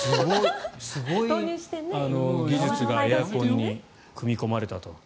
すごい技術がエアコンに組み込まれたと。